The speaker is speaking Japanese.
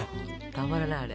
たまらないあれ。